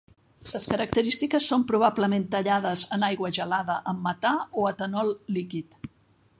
Les característiques són probablement tallades en aigua gelada amb metà o etanol líquid.